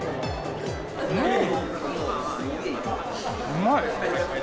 うまい！